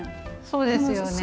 そうですよね。